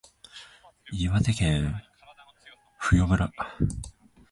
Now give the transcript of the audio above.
岩手県普代村